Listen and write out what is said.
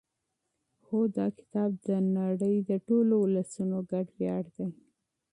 هوکې دا کتاب د نړۍ د ټولو ولسونو ګډ ویاړ دی.